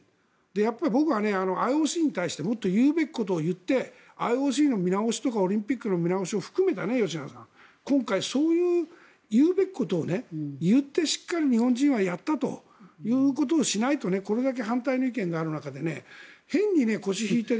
やっぱり僕はＩＯＣにとってもっと言うべきことは言ってＩＯＣの見直しとかオリンピックの見直しとかを含めた今回、そういう言うべきことを言ってしっかり日本人はやったということをしないとこれだけ反対の意見がある中で変に腰を引いている。